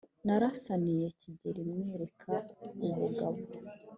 narasaniye kigeli mwereka ubugabo.